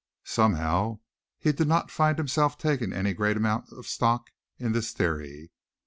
Somehow he did not find himself taking any great amount of stock in this theory.